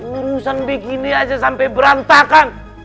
urusan begini aja sampai berantakan